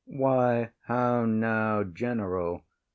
Why, how now, general?